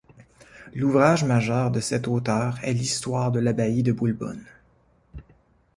L'ouvrage majeur de cet auteur est l'histoire de l'abbaye de Boulbonne.